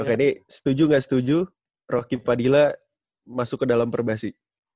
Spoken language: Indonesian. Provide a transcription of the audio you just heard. oke nih setuju nggak setuju rocky padilla masuk ke dalam perbahasi